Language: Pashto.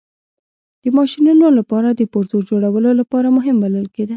د ماشینونو لپاره د پرزو جوړولو لپاره مهم بلل کېده.